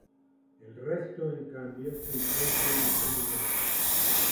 El resto, en cambio se encuentran diseminados.